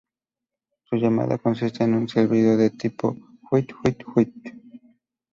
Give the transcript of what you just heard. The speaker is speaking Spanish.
Su llamada consiste en un silbido de tipo "huit-huit-huit".